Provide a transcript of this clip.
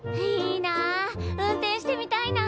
いいな！